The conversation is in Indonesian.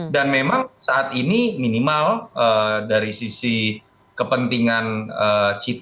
dan memang saat ini minimal dari sisi kepentingan cita